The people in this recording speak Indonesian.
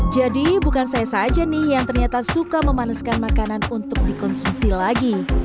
jadi bukan saya saja nih yang ternyata suka memanaskan makanan untuk dikonsumsi lagi